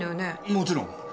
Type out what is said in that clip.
もちろん！